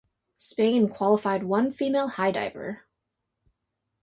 Spain qualified one female high diver.